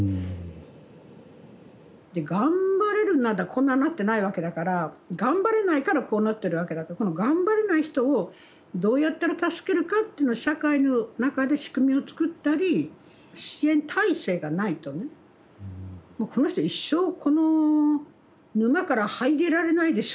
頑張れるならこんなんなってないわけだから頑張れないからこうなってるわけだからこの頑張れない人をどうやったら助けるかっていうのを社会の中で仕組みを作ったり支援体制がないとねもうこの人一生この沼から這い出られないでしょうみたいな。